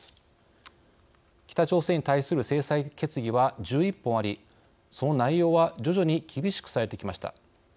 北朝鮮に対する制裁決議は１１本ありその内容は徐々に厳しくされてきました。